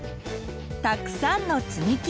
たくさんのつみき。